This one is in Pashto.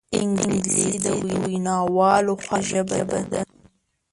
انګلیسي د ویناوالو خوښه ژبه ده